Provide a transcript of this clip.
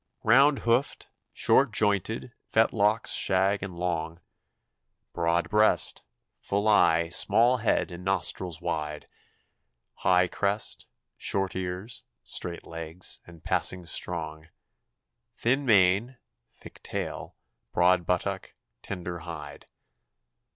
Round hoof'd, short jointed, fetlocks shag and long, Broad breast, full eye, small head, and nostrils wide, High crest, short ears, straight legs, and passing strong, Thin mane, thick tail, broad buttock, tender hide.